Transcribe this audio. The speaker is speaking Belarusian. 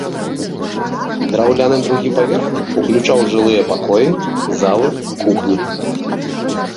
Драўляны другі паверх уключаў жылыя пакоі, залы, кухні.